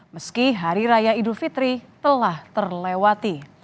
meski hari raya idul fitri telah terlewati